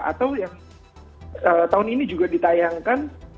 atau yang tahun ini juga ditayangkan